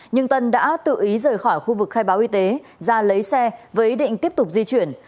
nhưng tân đã tự ý rời khỏi khu vực khai báo y tế ra lấy xe với ý định tiếp tục di chuyển